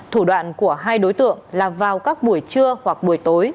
thủ đoạn của hai đối tượng là vào các buổi trưa hoặc buổi tối